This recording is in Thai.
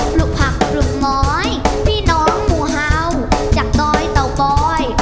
ปลุกผักปลุกม้อยพี่น้องหมูเฮ้าจากดอยเต่าบอย